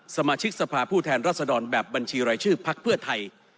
สมาชิกสภาพผู้แทนรัศดรแบบบัญชีรายชื่อพักเพื่อไทย